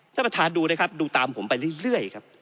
ท่านประธานดูนะครับดูตามผมไปเรื่อยครับ